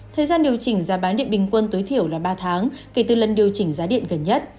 thời gian điều chỉnh giá bán điện bình quân tối thiểu là ba tháng kể từ lần điều chỉnh giá điện gần nhất